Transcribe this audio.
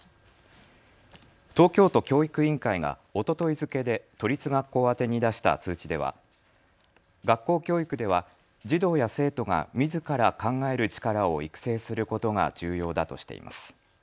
東京都教育委員会がおととい付けで都立学校宛に出した通知では学校教育では児童や生徒がみずから考える力を育成することが重要だとしています。